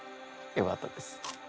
よかったです。